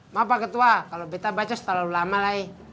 maaf pak ketua kalau kita baca setelah lama lagi